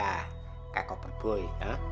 kayak koper boy